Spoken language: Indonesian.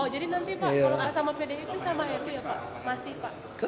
jadi nanti pak sama pdip sama heru ya pak masih pak